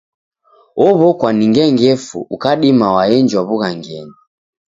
Ow'okwa ni ngengefu ukadima waenjwa w'ughangenyi.